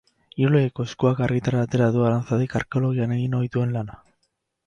Irulegiko Eskuak argitara atera du Aranzadik arkeologian egin ohi duen lana.